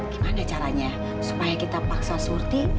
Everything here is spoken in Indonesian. gimana caranya supaya kita paksa surti